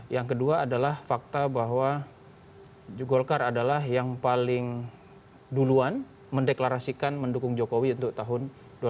yang kedua adalah fakta bahwa golkar adalah yang paling duluan mendeklarasikan mendukung jokowi untuk tahun dua ribu sembilan belas